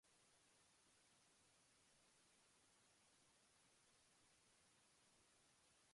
Despite his criminal nature, Frank was admired by some for his audacity and ingenuity.